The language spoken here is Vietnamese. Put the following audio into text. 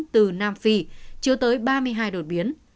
từ nam phi chưa tới ba mươi hai đột biến